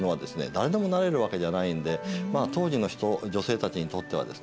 誰でもなれるわけじゃないんでまあ当時の人女性たちにとってはですね